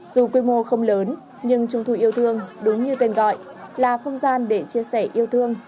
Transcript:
dù quy mô không lớn nhưng trung thu yêu thương đúng như tên gọi là không gian để chia sẻ yêu thương